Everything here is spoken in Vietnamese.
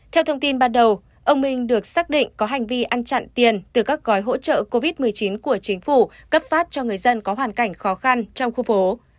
theo thông tin ban đầu ông minh được xác định có hành vi ăn chặn tiền từ các gói hỗ trợ covid một mươi chín của chính phủ cấp phát cho người dân có hoàn cảnh khó khăn trong khu phố